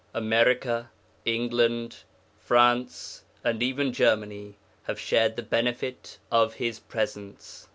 America, England, France, and even Germany have shared the benefit of his presence.